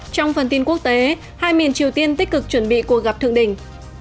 trong phần tin quốc tế hai miền triều tiên tích cực chuẩn bị cuộc gặp thượng đỉnh